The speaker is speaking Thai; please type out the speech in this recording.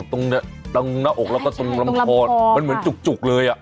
ตรงหน้าอกแล้วก็ตรงลำคอมันเหมือนจุกเลย